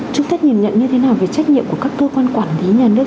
chúng ta nhìn nhận như thế nào về trách nhiệm của các cơ quan quản lý nhà nước